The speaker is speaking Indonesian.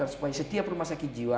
supaya setiap rumah sakit jiwa